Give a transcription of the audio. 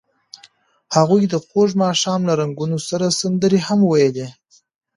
هغوی د خوږ ماښام له رنګونو سره سندرې هم ویلې.